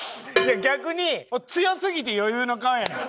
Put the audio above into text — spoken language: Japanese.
逆に強すぎて余裕の顔やねん。